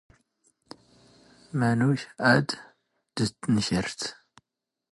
ⵎⴰⵏⵓⴽ ⴰⴷ ⴷ ⵜⵏⴽⵔⴷ?